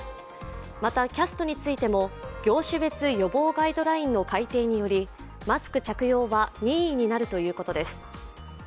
また、キャストについても業種別予防ガイドラインの改定により、マスク着用は任意になるということです。